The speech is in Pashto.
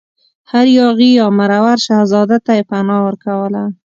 هر یاغي یا مرور شهزاده ته یې پناه ورکوله.